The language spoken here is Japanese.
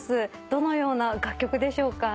どのような楽曲でしょうか？